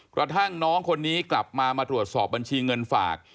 กระทั่งน้องคนนี้กลับมามาตรวจสอบบัญชีเงินฝาก